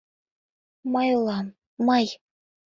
— Мый улам, мый...